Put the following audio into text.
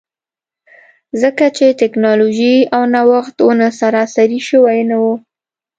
ځکه چې ټکنالوژي او نوښت ونه سراسري شوي نه وو.